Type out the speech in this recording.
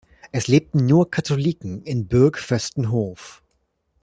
Es lebten nur Katholiken in Bürg-Vöstenhof.